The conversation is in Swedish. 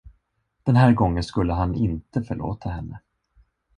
Den här gången skulle han inte förlåta henne!